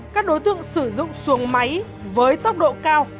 các đối tượng sử dụng xuồng máy với tốc độ cao